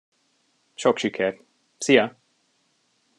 Sok sikert. Szia!